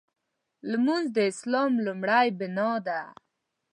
لمونځ د اسلام لومړۍ بناء ده.